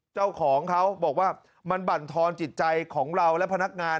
เจ้าของเขาบอกว่ามันบรรทอนจิตใจของเราและพนักงาน